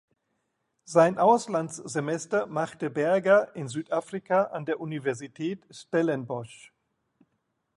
Sein Auslandssemester machte Berger in Südafrika an der Universität Stellenbosch.